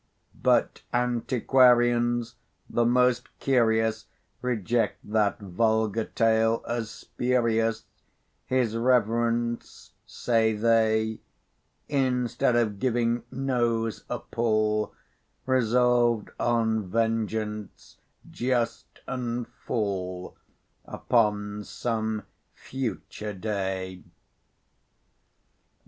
But antiquarians the most curious Reject that vulgar tale as spurious; His reverence, say they, Instead of giving nose a pull, Resolved on vengeance just and full Upon some future day.